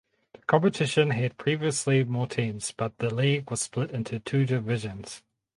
The competition had previously more teams but the league was split into two divisions.